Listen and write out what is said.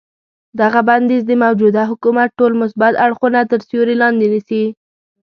دغه بندیز د موجوده حکومت ټول مثبت اړخونه تر سیوري لاندې نیسي.